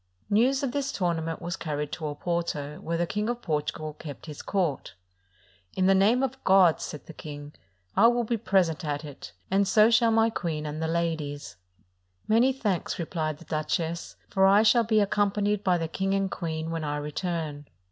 News of this tournament was carried to Oporto, where the King of Portugal kept his court. "In the name of God," said the king, "I will be present at it, and so shall my queen and the ladies." "Many thanks," replied the duchess, "for I shall be accompanied by the king and queen when I return."